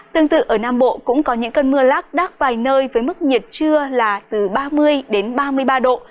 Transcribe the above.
tương tự ở nam bộ cũng có những cơn mưa lát đắt vài nơi với mức nhiệt trưa là từ ba mươi đến ba mươi ba độ